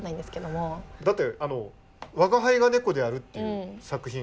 だって「我輩は猫である」っていう作品。